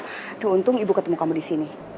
tentu untung ibu ketemu kamu disini